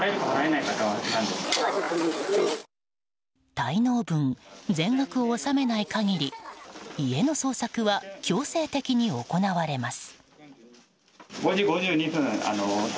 滞納分全額を納めない限り家の捜索は強制的に行われます。